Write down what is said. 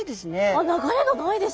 あっ流れがないです！